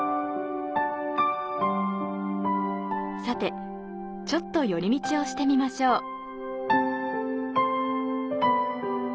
さて、ちょっと寄り道をしてみましょう。